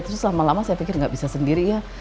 terus lama lama saya pikir nggak bisa sendiri ya